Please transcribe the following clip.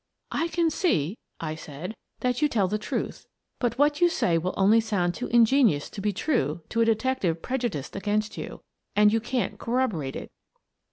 " I can see," I said, " that you tell the truth, but what you say will only sound too ingenious to be true to a detective prejudiced against you — and you can't corroborate it."